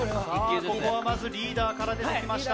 さあここはまずリーダーから出てきました。